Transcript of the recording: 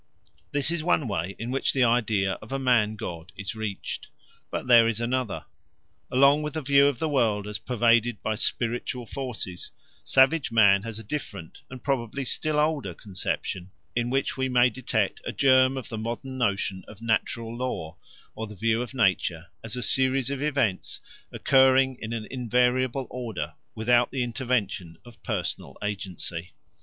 This is one way in which the idea of a man god is reached. But there is another. Along with the view of the world as pervaded by spiritual forces, savage man has a different, and probably still older, conception in which we may detect a germ of the modern notion of natural law or the view of nature as a series of events occurring in an invariable order without the intervention of personal agency.